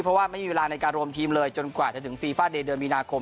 เพราะว่าไม่มีเวลาในการรวมทีมเลยจนกว่าจะถึงฟีฟาเดย์เดือนมีนาคม